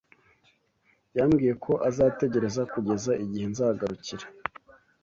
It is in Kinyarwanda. Yambwiye ko azategereza kugeza igihe nzagarukira.